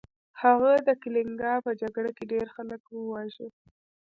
هغه د کلینګا په جګړه کې ډیر خلک وواژه.